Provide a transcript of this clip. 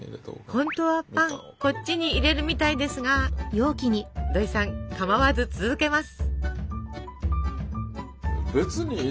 本当はパンこっちに入れるみたいですが土井さんかまわず続けます。